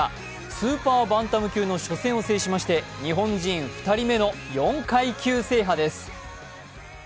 スーパーバンタム級の初戦を制しまして日本人２人目の４階級制覇です。